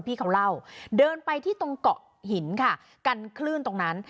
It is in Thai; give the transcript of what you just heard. พี่เขาเล่าเดินไปที่ตรงเกาะหินค่ะกันคลื่นตรงนั้น